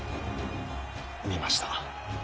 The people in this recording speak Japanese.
見ました。